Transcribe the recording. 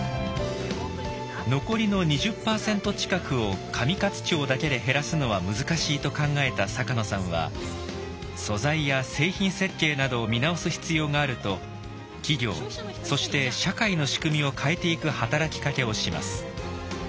残りの２０％近くを上勝町だけで減らすのは難しいと考えた坂野さんは素材や製品設計などを見直す必要があると企業そして社会の仕組みを変えていく働きかけをします。